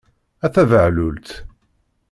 A tabehlult!